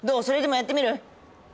それでもやってみる？